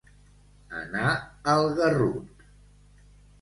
Anar al garrut.